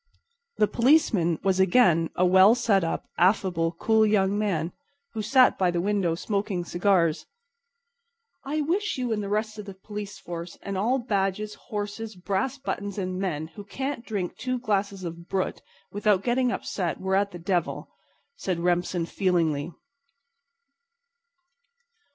The policeman was again a well set up, affable, cool young man who sat by the window smoking cigars. "I wish you and the rest of the police force and all badges, horses, brass buttons and men who can't drink two glasses of brut without getting upset were at the devil," said Remsen feelingly.